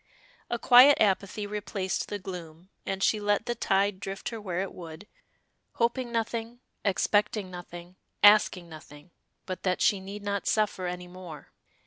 A quiet apathy replaced the gloom, and she let the tide drift her where it would, hoping nothing, expecting nothing, asking nothing but that she need not suffer any more.